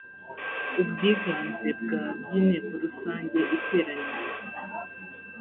ubwiganze bwa by inteko rusange iteraniye